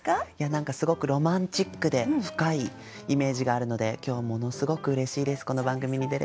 すごくロマンチックで深いイメージがあるので今日はものすごくうれしいですこの番組に出れて。